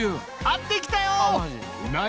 会ってきたよ！